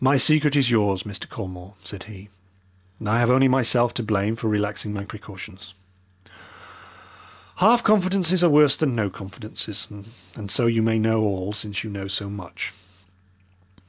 "My secret is yours, Mr. Colmore," said he. "I have only myself to blame for relaxing my precautions. Half confidences are worse than no confidences, and so you may know all since you know so much.